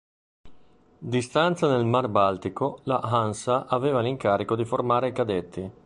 Di stanza nel Mar Baltico, la "Hansa" aveva l'incarico di formare i cadetti.